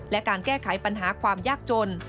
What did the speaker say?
และการแก้ไขปัญหาความยากจน